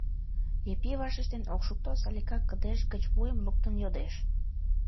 Епи вашештен ок шукто, Салика кыдеж гыч вуйым луктын йодеш: